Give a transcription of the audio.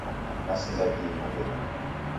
Nasinda di nyumbenyi